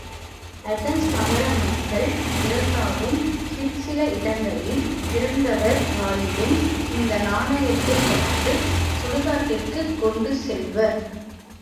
Athens நகர மக்கள் இறந்தாலும் சிற்சில இடங்களில் இறந்தவர் வாயிலும் இந்நாணயத்தை வைத்துச் சுடுகாட்டிற்குக் கொண்டு செல்வர்.